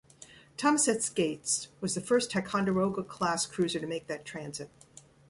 "Thomas S. Gates" was the first "Ticonderoga"-class cruiser to make that transit.